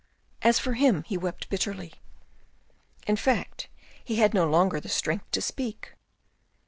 As for him, he wept bitterly. In fact he had no longer the strength to speak.